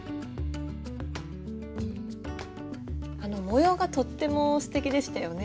模様がとってもすてきでしたよね。